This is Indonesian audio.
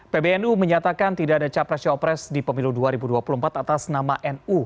pbnu menyatakan tidak ada capres capres di pemilu dua ribu dua puluh empat atas nama nu